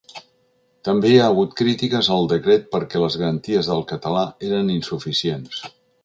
També hi ha hagut crítiques al decret perquè les garanties del català eren insuficients.